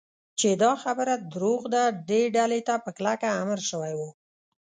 چې دا خبره دروغ ده، دې ډلې ته په کلکه امر شوی و.